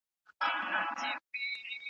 ټېکنالوژي د سږو ټپونه په دقیق ډول کشفوي.